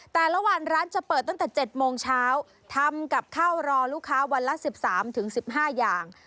แต่ละวันร้านจะเปิดตั้งแต่๗โมงเช้าทำกับข้าวรอลูกค้าวันละ๑๓๑๕อย่าง